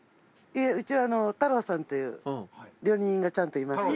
いえうちは太郎さんという料理人がちゃんといます。